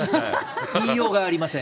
言いようがありません。